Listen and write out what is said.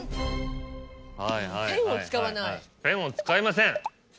ペンを使いません。